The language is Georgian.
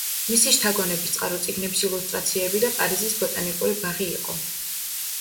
მისი შთაგონების წყარო წიგნების ილუსტრაციები და პარიზის ბოტანიკური ბაღი იყო.